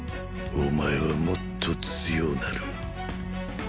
お前はもっと強うなる